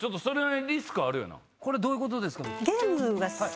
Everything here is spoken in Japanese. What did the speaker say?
これどういうことですか？